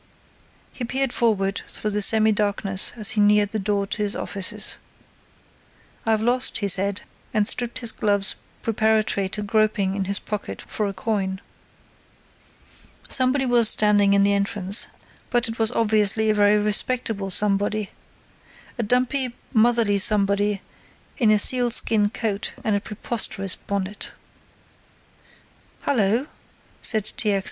He peered forward through the semi darkness as he neared the door of his offices. "I've lost," he said, and stripped his gloves preparatory to groping in his pocket for a coin. Somebody was standing in the entrance, but it was obviously a very respectable somebody. A dumpy, motherly somebody in a seal skin coat and a preposterous bonnet. "Hullo," said T. X.